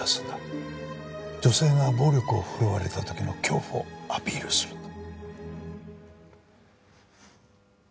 女性が暴力を振るわれた時の恐怖をアピールするんだ。